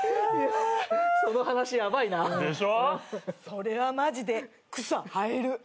それはマジで草生える。